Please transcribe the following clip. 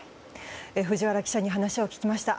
藤原記者に話を聞きました。